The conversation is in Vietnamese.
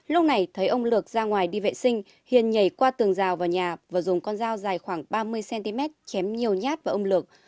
lúc này thấy ông lược ra ngoài đi vệ sinh hiền nhảy qua tường rào vào nhà và dùng con dao dài khoảng ba mươi cm chém nhiều nhát và ông lược